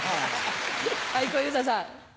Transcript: はい小遊三さん。